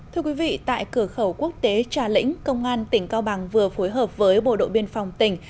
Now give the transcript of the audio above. thưa quý vị tại cửa khẩu quốc tế trà lĩnh công an tỉnh cao bằng vừa phối hợp với bộ đội biên phòng tỉnh